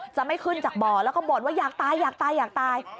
จะไม่ขึ้นจากบ่อแล้วก็บ่นว่าอยากตายอยากตายอยากตาย